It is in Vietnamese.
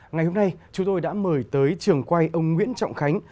ngày hôm nay chúng tôi đã mời tới trường quay ông nguyễn trọng khánh